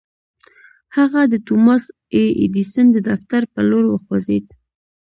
هغه د توماس اې ايډېسن د دفتر پر لور وخوځېد.